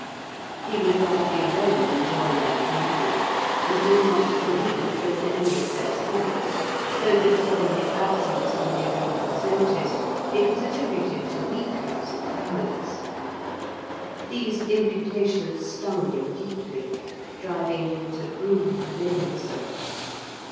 He would rather be alone than join their company, and would not compete with them in any of their sports, so that, when his absence from the arena was noticed, it was attributed to weakness or cowardice. These imputations stung him deeply, driving him to brood within himself.